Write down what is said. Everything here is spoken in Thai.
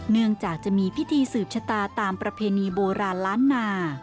เนื่องจากจะมีพิธีสืบชะตาตามประเพณีโบราณล้านนา